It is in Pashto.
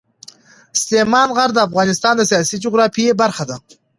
سلیمان غر د افغانستان د سیاسي جغرافیه برخه ده.